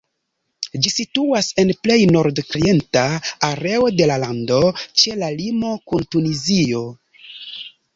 Ĝi situas en plej nordorienta areo de la lando, ĉe la limo kun Tunizio.